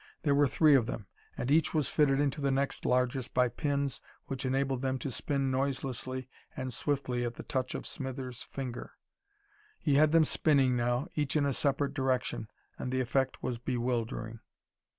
There were three of them, and each was fitted into the next largest by pins which enabled them to spin noiselessly and swiftly at the touch of Smithers' finger. He had them spinning now, each in a separate direction, and the effect was bewildering.